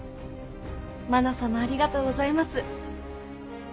まな様ありがとうございます。